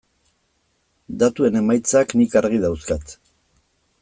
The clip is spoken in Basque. Datuen emaitzak nik argi dauzkat.